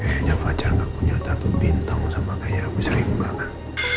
tapi kayaknya fajar gak punya tatu bintang sama kayak abis riba kan